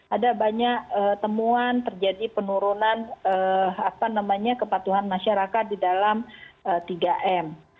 ada banyak temuan terjadi penurunan kepatuhan masyarakat di dalam tiga m